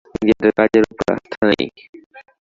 নিজেদের কাজের উপর আস্থা নাই?